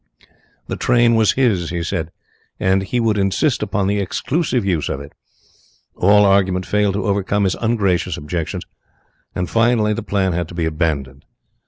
The train was his, he said, and he would insist upon the exclusive use of it. All argument failed to overcome his ungracious objections, and finally the plan had to be abandoned.